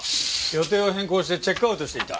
予定を変更してチェックアウトしていた。